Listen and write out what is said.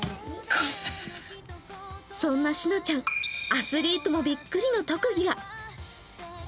そんなしのちゃん、アスリートもびっくりの特技が。